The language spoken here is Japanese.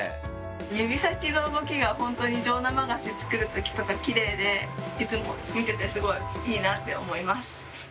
指先の動きがほんとに上生菓子作るときとかキレイでいつも見ててすごいいいなって思います。